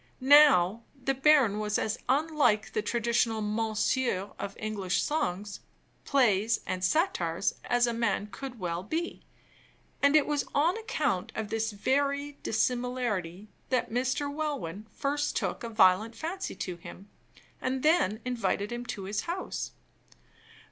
Now, the baron was as unlike the traditional "Mounseer" of English songs, plays, and satires, as a man could well be; and it was on account of this very dissimilarity that Mr. Welwyn first took a violent fancy to him, and then invited him to his house.